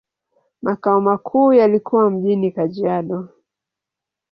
Makao makuu yalikuwa mjini Kajiado.